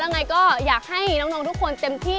ยังไงก็อยากให้น้องทุกคนเต็มที่